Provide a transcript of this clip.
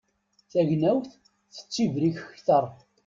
Tagnawt tettibrik kter.